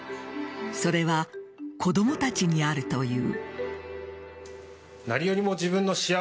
それは子供たちにあるという。